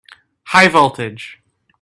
High voltage!